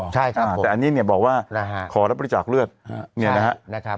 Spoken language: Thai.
ใช่ครับแต่อันนี้เนี่ยบอกว่าขอรับบริจาคเลือดเนี่ยนะครับ